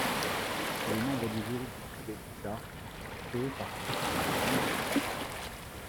Il est membre du jury du prix des Hussards, créé par Christian Millau.